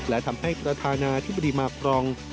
และทำให้ประธานาธิบดีมาปรอง